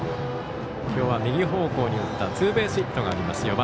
きょうは右方向に打ったツーベースヒットがあります。